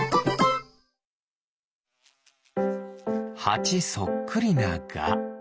ハチそっくりなガ。